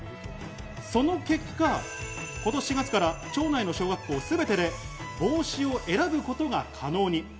その結果、今年４月から町内の小学校全てで帽子を選ぶことが可能に。